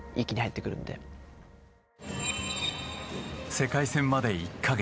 世界戦まで１か月。